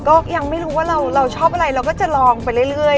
ก็ยังไม่รู้ว่าเราชอบอะไรเราก็จะลองไปเรื่อย